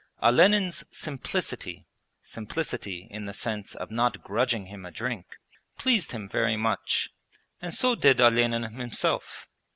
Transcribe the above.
Olenin's 'simplicity' (simplicity in the sense of not grudging him a drink) pleased him very much, and so did Olenin himself.